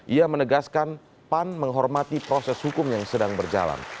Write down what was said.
ia menegaskan pan menghormati proses hukum yang sedang berjalan